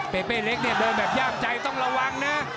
เปเป้เล็กเนี่ยเดินแบบย่ามใจต้องระวังนะ